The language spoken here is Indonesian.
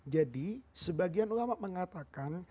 jadi sebagian ulama mengatakan